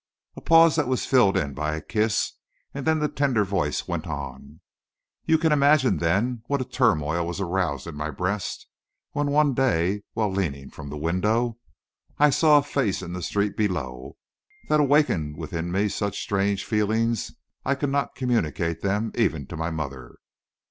A pause that was filled in by a kiss, and then the tender voice went on: "You can imagine, then, what a turmoil was aroused in my breast when one day, while leaning from the window, I saw a face in the street below that awakened within me such strange feelings I could not communicate them even to my mother.